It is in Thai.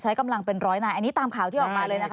ใช้กำลังเป็นร้อยนายอันนี้ตามข่าวที่ออกมาเลยนะคะ